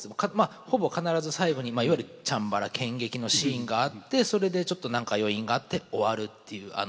ほぼ必ず最後にいわゆるチャンバラ剣げきのシーンがあってそれでちょっと何か余韻があって終わるっていう。